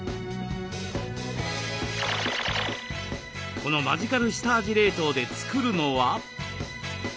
このマジカル下味冷凍で作るのは？